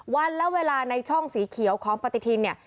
วันและเวลาในช่องสีเขียวของปฏิทินเนี่ย